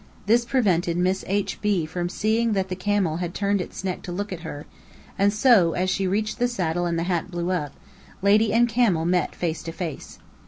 This prevented Miss H.B. from seeing that the camel had turned its neck to look at her; and so, as she reached the saddle and the hat blew up, lady and camel met face to face.